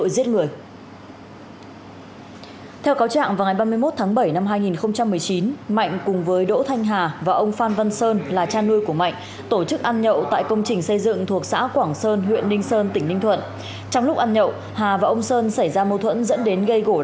xin chào và hẹn gặp lại trong các bản tin tiếp theo